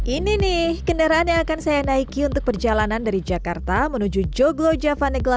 ini nih kendaraan yang akan saya naiki untuk perjalanan dari jakarta menuju joglo javanegla